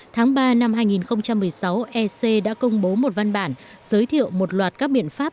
tháng ba năm hai nghìn một mươi sáu ec đã công bố một văn bản giới thiệu một loạt các biện pháp